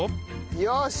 よし！